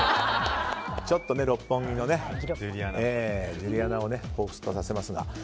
ちょっと六本木のジュリアナをほうふつとさせますが。